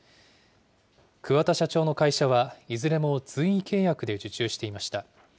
くわ田社長の会社は、いずれも随意契約で受注していました。